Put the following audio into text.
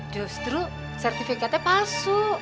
justru sertifikatnya palsu